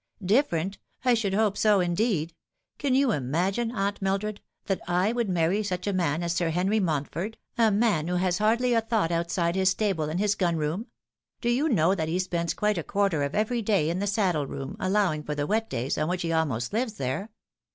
" Different ! I should hope so, indeed ! Can you imagine, Aunt Mildred, that / would marry such a man as Sir Henry Mountford, a man who has hardly a thought outside his stable and his gun room ? Do you know that he spends quite a quar ter of every day in the saddle room, allowing for the wet days, on which he almost lives there